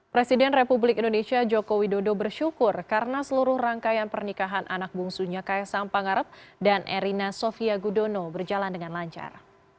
presiden republik indonesia joko widodo bersyukur karena seluruh rangkaian pernikahan anak bungsunya kaisang pangarep dan erina sofia gudono berjalan dengan lancar